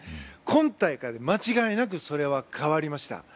今大会は間違いなくそれは変わりました。